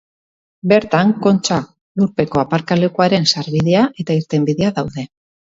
Bertan, Kontxa lurpeko aparkalekuaren sarbidea eta irtenbidea daude.